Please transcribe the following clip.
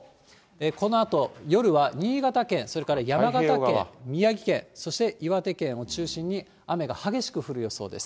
このあと夜は新潟県、それから山形県、宮城県、そして岩手県を中心に、雨が激しく降る予想です。